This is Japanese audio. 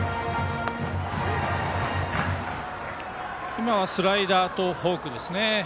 今はスライダーとフォークですね。